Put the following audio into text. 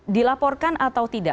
dilaporkan atau tidak